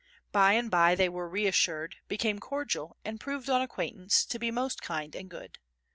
By and by they were reassured, became cordial and proved on acquaintance to be most kind and good.